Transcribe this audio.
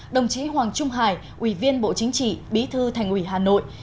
đồng chí hoàng trung hải ủy viên bộ chính trị bí thư thành ủy hà nội